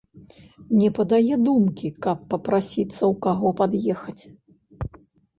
Не падае думкі, каб папрасіцца ў каго пад'ехаць.